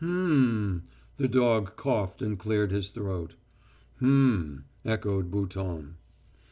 "H'm." The dog coughed and cleared his throat. "H'm," echoed Bouton.